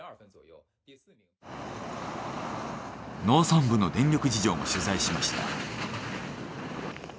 農村部の電力事情も取材しました。